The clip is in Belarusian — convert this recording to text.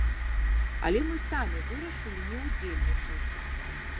Але мы самі вырашылі не ўдзельнічаць.